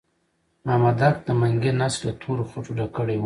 مامدک د منګي نس له تورو خټو ډک کړی وو.